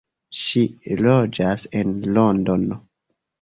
Ŝi loĝas en Londono.